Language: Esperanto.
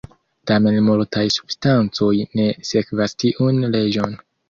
Tamen multaj substancoj ne sekvas tiun leĝon.